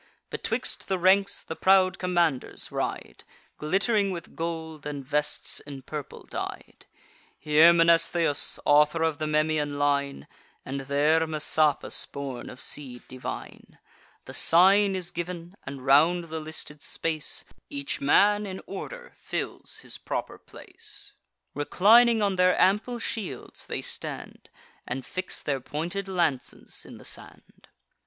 Betwixt the ranks the proud commanders ride, Glitt'ring with gold, and vests in purple dyed; Here Mnestheus, author of the Memmian line, And there Messapus, born of seed divine. The sign is giv'n; and, round the listed space, Each man in order fills his proper place. Reclining on their ample shields, they stand, And fix their pointed lances in the sand.